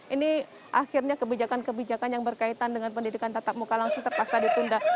ini akhirnya kebijakan kebijakan yang berkaitan dengan pendidikan tatap muka langsung terpaksa ditunda